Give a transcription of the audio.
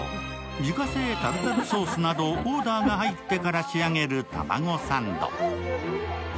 自家製タルタルソースなどオーダーが入ってから仕上げるたまごサンド。